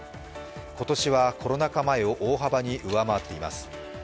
今年はコロナ禍前を大幅に上回っています。